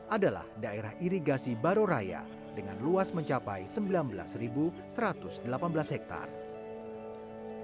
adalah daerah irigasi baru raya dengan luas mencapai sembilan belas satu ratus delapan belas hektare